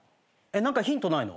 何かヒントないの？